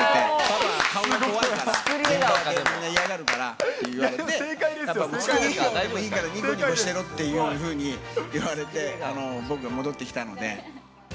パパ顔が怖いから、現場でみんな嫌がるからって言われて、やっぱ、作り笑顔でもいいから、にこにこしてろっていうふうに言われて、僕は戻ってきたので。